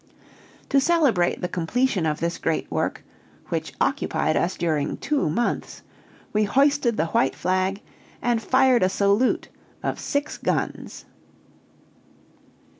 To celebrate the completion of this great work, which occupied us during two months, we hoisted the white flag, and fired a salute of six guns.